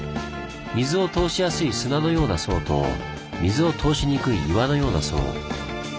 水を通しやすい砂のような層と水を通しにくい岩のような層。